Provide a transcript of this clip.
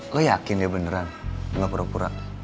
lo yakin dia beneran gue gak pura pura